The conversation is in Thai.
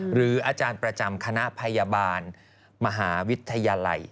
หรืออาจารย์ประจำคณะพยาบาลมหาวิทยาลัย